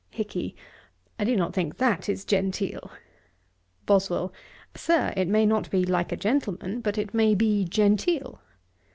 HICKY. 'I do not think that is genteel.' BOSWELL. 'Sir, it may not be like a gentleman, but it may be genteel.'